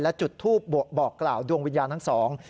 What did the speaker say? และจุดทูปบอกกล่าวดวงวิญญาณทั้งสอง